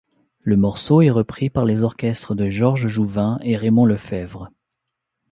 Le morceau est repris par les orchestres de Georges Jouvin et Raymond Lefèvre.